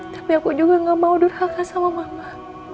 tapi aku juga gak mau durhaka sama mama